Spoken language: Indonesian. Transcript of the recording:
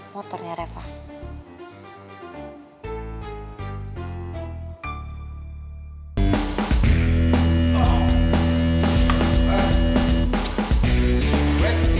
supaya reva jauh dari si boy